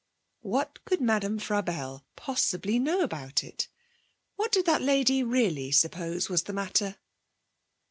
What could Madame Frabelle possibly know about it? What did that lady really suppose was the matter?